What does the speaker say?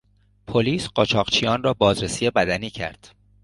پلیس قاچاقچیان را بازرسی بدنی کرد.